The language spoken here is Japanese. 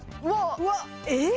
うわっ！